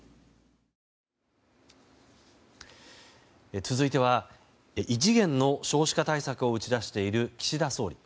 続いては異次元の少子化対策を打ち出している岸田総理。